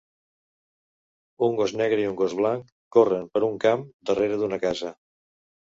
Un gos negre i un gos blanc corren per un camp darrere d'una casa.